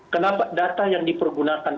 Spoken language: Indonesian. kenapa data yang dipergunakan